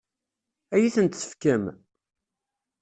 Ad iyi-tent-tefkem?